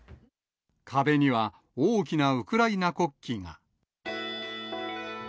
壁には大きなウクライナ国旗が。